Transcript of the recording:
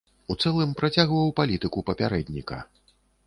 У цэлым працягваў палітыку папярэдніка.